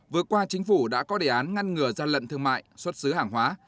vừa qua chính phủ đã có đề án ngăn ngừa gian lận thương mại xuất xứ hàng hóa